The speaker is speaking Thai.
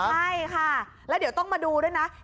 ใช่ค่ะแล้วเดี๋ยวต้องมาดูด้วยนะ